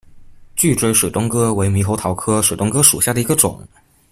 聚锥水东哥为猕猴桃科水东哥属下的一个种。